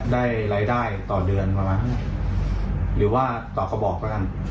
ได้รายได้ต่อเดือนประมาณหรือว่าต่อขบกัน